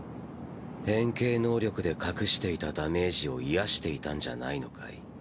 変形能力で隠していたダメージを癒やしていたんじゃないのかい？